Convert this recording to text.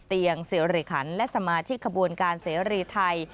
เตียงเสรีไครร์และสมาชิกขบวนการเสรีไทย